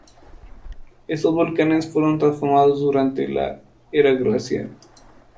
Estos volcanes fueron transformados durante la era glaciar.